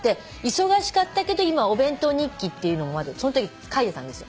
忙しかったけどお弁当日記っていうのをそのとき書いてたんですよ